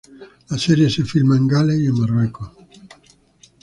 La serie se filma en Gales y en Marruecos.